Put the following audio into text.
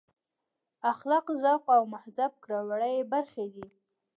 اخلاق ذوق او مهذب کړه وړه یې برخې دي.